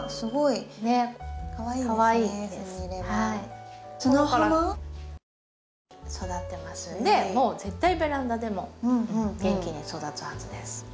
元気に育ってますんでもう絶対ベランダでも元気に育つはずです。